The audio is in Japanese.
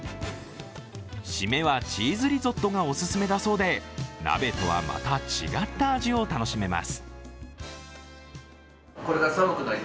シメはチーズリゾットがお勧めだそうで鍋とはまた違った味を楽しめます。